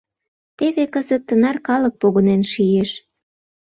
Теве кызыт тынар калык погынен шиеш.